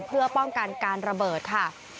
เพื่อป้องกันการระเบิดค่ะ